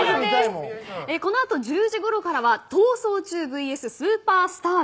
このあと１０時ごろからは「逃走中ｖｓスーパースター」。